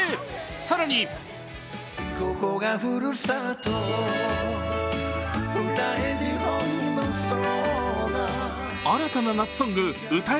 更に新たな夏ソング「歌え